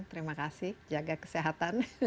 terima kasih jaga kesehatan